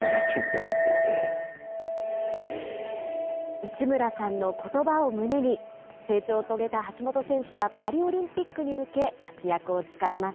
内村さんのことばを胸に、成長を遂げた橋本選手は、パリオリンピックに向け、活躍を誓います。